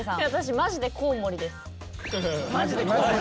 マジでコウモリやんな。